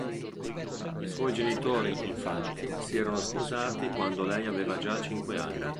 I suoi genitori, infatti, si erano sposati quando lei aveva già cinque anni.